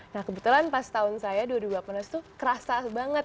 nah kebetulan pas tahun saya dua puluh dua penulis itu kerasa banget